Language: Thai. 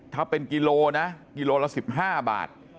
ถ้าเป็นกิโลนะกิโลละ๑๕บาท